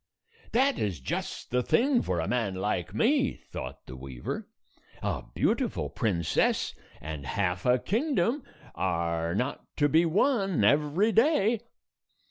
"That is just the thing for a man like me," thought the weaver. "A beautiful princess and half a kingdom are not to be won every day."